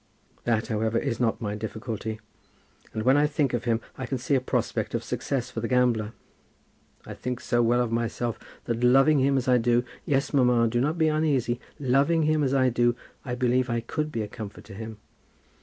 That, however, is not my difficulty. And when I think of him I can see a prospect of success for the gambler. I think so well of myself that, loving him, as I do; yes, mamma, do not be uneasy; loving him, as I do, I believe I could be a comfort to him.